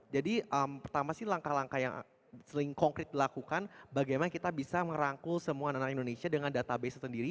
jadi pertama sih langkah langkah yang sering konkret dilakukan bagaimana kita bisa merangkul semua anak anak indonesia dengan database sendiri